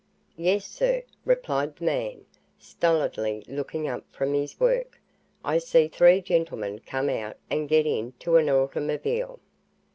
"Yes, sir," replied the man, stolidly looking up from his work. "I see three gentlemen come out and get into an automobile."